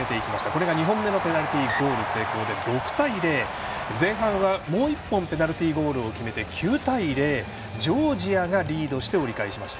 これが２本目のペナルティゴール成功で６対０、前半はもう１本ペナルティゴールを決めて９対０、ジョージアがリードして折り返しました。